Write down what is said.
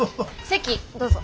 席どうぞ。